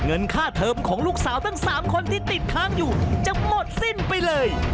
เงินค่าเทอมของลูกสาวทั้ง๓คนที่ติดค้างอยู่จะหมดสิ้นไปเลย